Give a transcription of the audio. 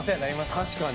確かに。